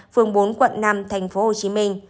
phường bốn quận năm tp hcm